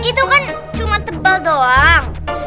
itu kan cuma tebal doang